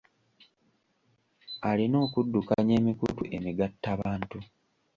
Alina okuddukanya emikutu emigattabantu.